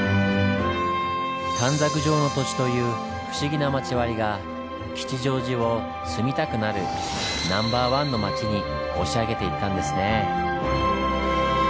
短冊状の土地という不思議な町割が吉祥寺を「住みたくなるナンバーワンの街」に押し上げていったんですねぇ。